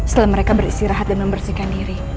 setelah mereka beristirahat dan membersihkan diri